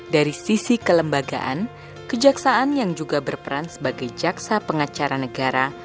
dari sisi kelembagaan kejaksaan yang juga berperan sebagai jaksa pengacara negara